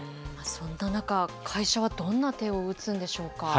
そんな中、会社はどんな手を打つんでしょうか。